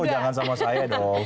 oh jangan sama saya dong